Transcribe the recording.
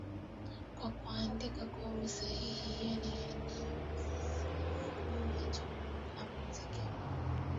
Kwa kuandika kwa usahihi yale yaliojiri juu ya chimbuko la muziki huu